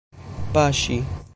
paŝi